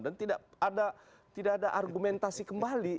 dan tidak ada argumentasi kembali